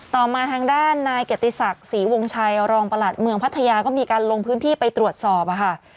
ต่อมาทางด้านนายเกียรติศักดิ์ศรีวงชัยรองประหลัดเมืองพัทยาก็มีการลงพื้นที่ไปตรวจสอบค่ะ